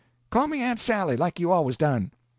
Call me Aunt Sally—like you always done."